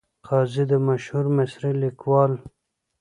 قاضي د مشهور مصري لیکوال .